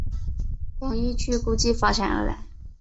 广义矩估计发展而来。